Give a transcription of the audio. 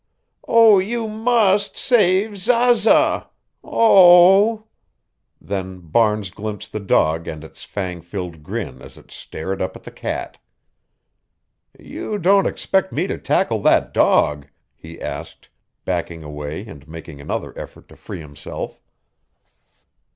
"Oh, you m m m must s s s save my Z z z z z z z z z aza. Oo oo!" Then Barnes glimpsed the dog and its fang filled grin as it stared up at the cat. "You don't expect me to tackle that dog?" he asked, backing away and making another effort to free himself.